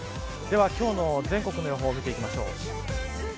今日の全国の予報を見ていきましょう。